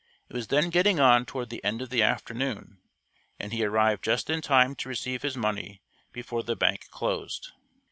It was then getting on toward the end of the afternoon, and he arrived just in time to receive his money before the bank closed.